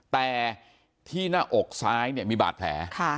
แต่ที่หน้าอกซ้ายมีบาดแผล